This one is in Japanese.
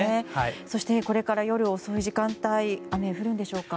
そして、これから夜遅い時間帯雨、降るんでしょうか？